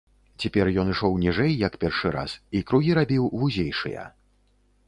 Цяпер ён ішоў ніжэй, як першы раз, і кругі рабіў вузейшыя.